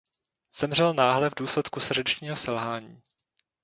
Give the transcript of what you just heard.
Zemřel náhle v důsledku srdečního selhání.